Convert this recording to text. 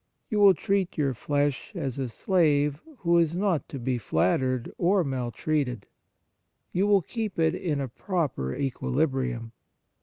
You will treat your flesh as a slave who is not to be flattered or maltreated ; you will keep it in a proper equilibrium.